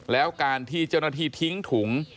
แล้วการที่เจ้าหน้าที่ทิ้งถุง